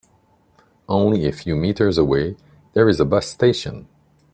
Only a few meters away there is a bus station.